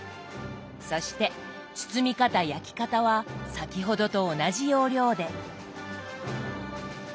そして包み方焼き方は先ほどと同じ要領で。